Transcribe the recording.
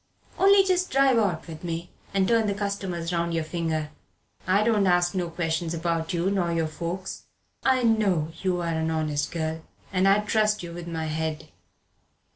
Only just drive out with me and turn the customers round your finger. I don't ask no questions about you nor your folks. I know you're an honest girl, and I'd trust you with my head.